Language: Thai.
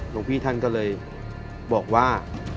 หลวงพี่ท่านก็เลยบอกว่า